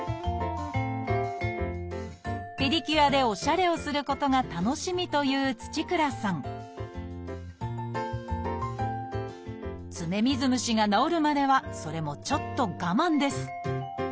ペディキュアでおしゃれをすることが楽しみという土倉さん爪水虫が治るまではそれもちょっと我慢です